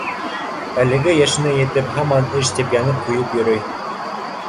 Әлеге йәшенә етеп, һаман эш тип, янып-көйөп йөрөй